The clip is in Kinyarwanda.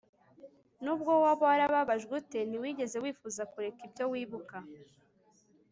nubwo waba warababajwe ute, ntiwigeze wifuza kureka ibyo wibuka